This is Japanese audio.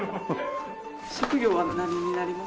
職業は何になりますか？